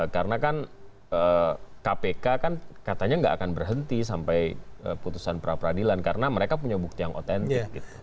karena kan kpk kan katanya gak akan berhenti sampai putusan peradilan karena mereka punya bukti yang otentik gitu